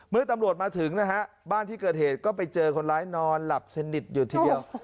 เมื่อตำรวจมาถึงนะฮะบ้านที่เกิดเหตุก็ไปเจอคนร้ายนอนหลับสนิทอยู่ทีเดียว